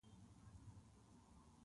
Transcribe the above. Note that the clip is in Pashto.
تر ډېرو زیاتو وعدو وروسته یې رضا کړم.